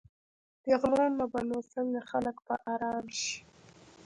دې غلو نه به نو څنګه خلک په آرام شي.